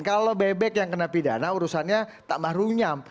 kalau bebek yang kena pidana urusannya tambah runyam